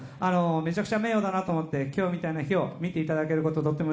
めちゃくちゃ名誉だなと思って、今日みたいな日を見ていただいて。